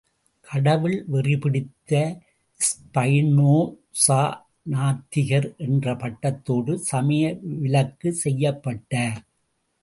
கடவுள் வெறி பிடித்த ஸ்பைனோஸா, நாத்திகர் என்ற பட்டத்தோடு சமய விலக்கு செய்யப்பட்டார்.